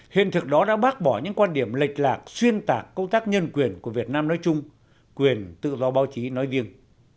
hiện thực đó đã bác bỏ những quan điểm lệch lạc xuyên tạc công tác nhân quyền của việt nam nói chung quyền tự do báo chí nói riêng